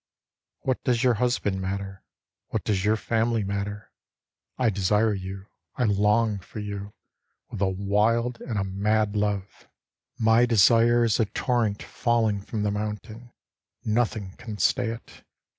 What does your husband matter ? What does your family matter ? I desire you, I long for you With a wild and a mad love. 22 MY DESIRE My desire is a torrent Falling from the mountain, Nothing can stay it.